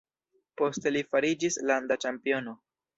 Poste li fariĝis landa ĉampiono.